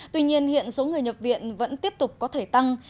tuy nhiên hiện số người nhập viện vẫn tiếp tục có thể tăng